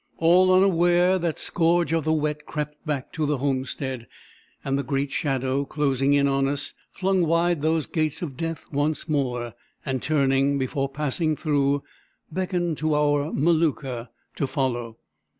All unaware, that scourge of the Wet crept back to the homestead, and the great Shadow, closing in on us, flung wide those gates of Death once more, and turning, before passing through, beckoned to our Maluka to follow.